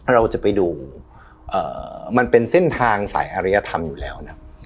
เราจะไปดูมันเป็นเส้นทางสายอริยธรรมอยู่แล้วนะ